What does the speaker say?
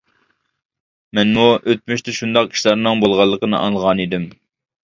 مەنمۇ ئۆتمۈشتە شۇنداق ئىشلارنىڭ بولغانلىقىنى ئاڭلىغانىدىم.